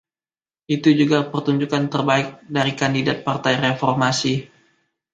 Itu juga pertunjukan terbaik dari kandidat Partai Reformasi.